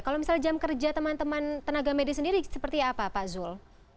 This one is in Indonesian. kalau misalnya jam kerja teman teman tenaga medis sendiri seperti apa pak zul